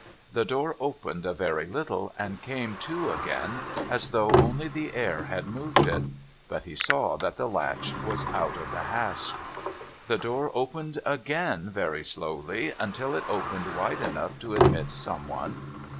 The door opened a very little, and came to again, as though only the air had moved it. But he saw that the latch was out of the hasp. The door opened again very slowly, until it opened wide enough to admit some one.